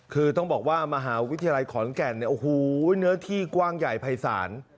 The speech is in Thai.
คือต้องบอกว่ามหาวิทยาลัยขอนแก่นเนี่ยโอ้โหเนื้อที่กว้างใหญ่ภายศาล